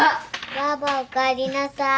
ばあばおかえりなさい。